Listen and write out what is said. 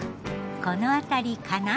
この辺りかな？